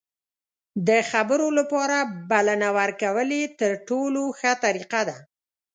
د خبرو لپاره بلنه ورکول یې تر ټولو ښه طریقه ده.